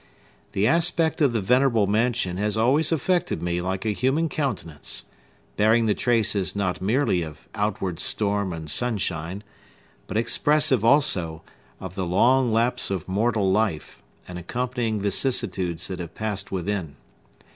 The aspect of the venerable mansion has always affected me like a human countenance, bearing the traces not merely of outward storm and sunshine, but expressive also, of the long lapse of mortal life, and accompanying vicissitudes that have passed within.